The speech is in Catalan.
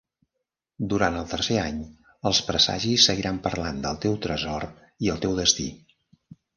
Durant el tercer any, els presagis seguiran parlant del teu tresor i el teu destí.